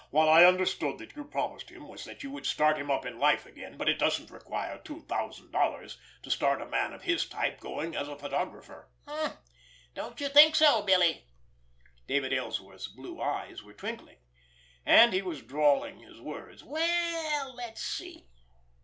"What I understood that you promised him was that you would start him up in life again, but it doesn't require two thousand dollars to start a man of his type going as a photographer." "H'm! Don't you think so, Billy?" David Ellsworth's blue eyes were twinkling, and he was drawling his words. "Well, let's see!